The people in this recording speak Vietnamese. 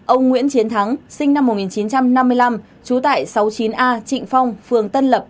ông nguyễn chiến thắng sinh năm một nghìn chín trăm năm mươi năm trú tại sáu mươi chín a trịnh phong phường tân lập